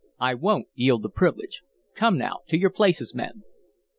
"I won't yield the privilege. Come now to your places, men."